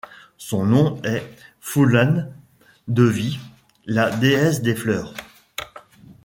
Son nom est Phoolan Devi, la Déesse des Fleurs.